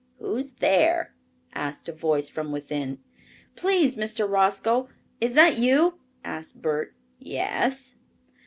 "Who's there?" asked a voice from within. "Please, Mr. Roscoe, is that you?" asked Bert. "Yes."